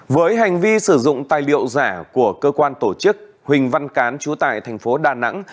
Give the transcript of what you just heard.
với hành vi sử dụng tài liệu giả của cơ quan tổ chức huỳnh văn cán trú tại thành phố đà nẵng